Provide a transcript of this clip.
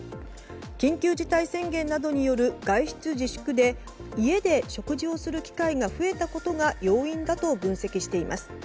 緊急事態宣言などによる外出自粛で家で食事をする機会が増えたことが要因だと分析しています。